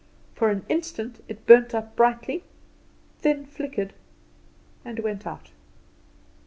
For an instant it burnt up brightly, then flickered and went out.